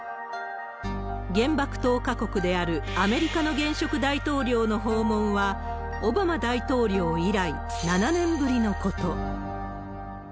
原爆投下国であるアメリカの現職大統領の訪問は、オバマ大統領以来７年ぶりのこと。